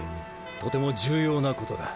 とても重要なことだ。